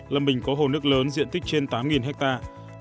lâm bình có hồ nước lớn diện tích trên tám hectare